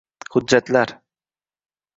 Hujjatlar